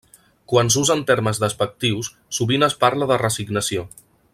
Quan s'usa en termes despectius sovint es parla de resignació.